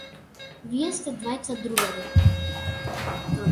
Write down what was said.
Вие сте двајца другари.